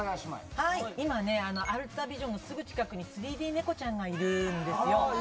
今ね、アルタビジョン、すぐ近くに３Ｄ猫ちゃんがいるんですよ。